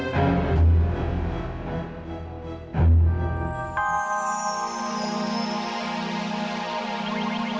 gue akan melakukan lebih dari ini